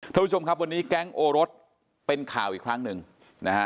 ท่านผู้ชมครับวันนี้แก๊งโอรสเป็นข่าวอีกครั้งหนึ่งนะฮะ